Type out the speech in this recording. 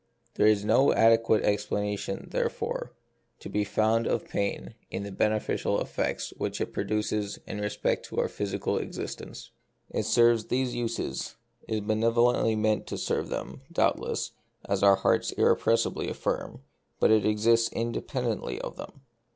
There is no adequate explanation, therefore, to be found of pain in the beneficial effects which it produces in respect to our physical existence. It serves these uses — is benevo lently meant to serve them, doubtless, as our hearts irrepressibly affirm — but it exists inde pendently of them.